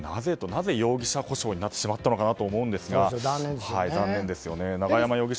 なぜ容疑者呼称になってしまったのかと思うんですが、残念ですよね。